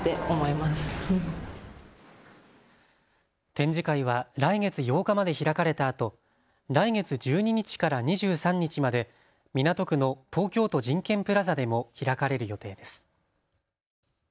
展示会は来月８日まで開かれたあと、来月１２日から２３日まで港区の東京都人権プラザでも開かれる予定です。